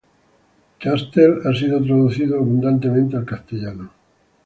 Chastel ha sido traducido abundantemente al castellano.